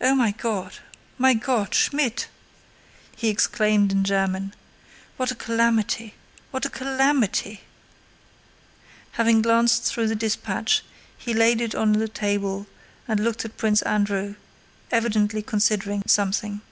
"Oh, my God! My God! Schmidt!" he exclaimed in German. "What a calamity! What a calamity!" Having glanced through the dispatch he laid it on the table and looked at Prince Andrew, evidently considering something.